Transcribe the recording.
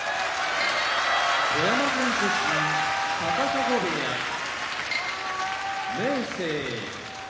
富山県出身高砂部屋明生